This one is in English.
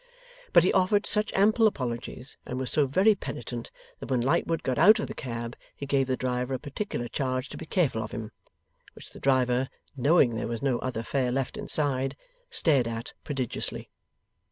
But he offered such ample apologies, and was so very penitent, that when Lightwood got out of the cab, he gave the driver a particular charge to be careful of him. Which the driver (knowing there was no other fare left inside) stared at prodigiously.